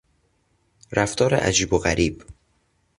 رفتار عجیب و غریب